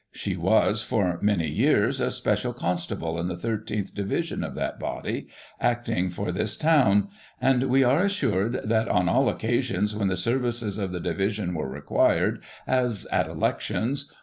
She was, for many years, a special constable in the 13th division of that body, acting for this town; and we are assured. that, on all occasions when the services of the division were required, as at elections.